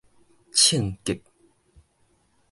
衝激